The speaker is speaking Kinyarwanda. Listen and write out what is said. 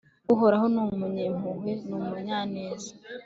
uhoraho ni umunyampuhwe n'umunyaneza